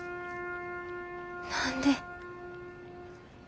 何で。